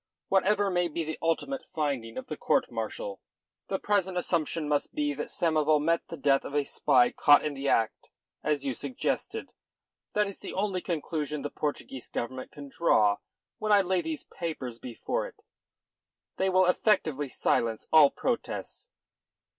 Whatever may be the ultimate finding of the court martial, the present assumption must be that Samoval met the death of a spy caught in the act, as you suggested. That is the only conclusion the Portuguese Government can draw when I lay these papers before it. They will effectively silence all protests."